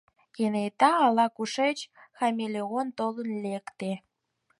Кенета ала-кушеч хамелеон толын лекте.